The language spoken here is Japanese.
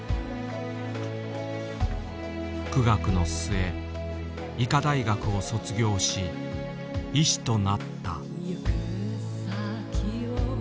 苦学の末医科大学を卒業し医師となった。